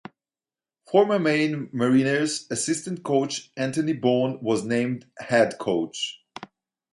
Former Maine Mariners assistant coach Anthony Bohn was named head coach.